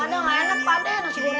enak pada enak enaknya